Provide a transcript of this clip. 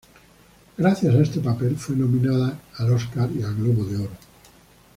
Gracias a este papel fue nominada al Oscar y al Globo de Oro.